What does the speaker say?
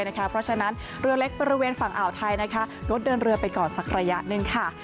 เพราะฉะนั้นเรือเล็กบริเวณฝั่งอ่าวไทยงดเดินเรือไปก่อนสักระยะหนึ่งค่ะ